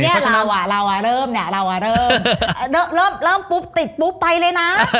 เราอ่ะเราอ่ะเริ่มเริ่มปุ๊บติดปุ๊บไปเลยนะ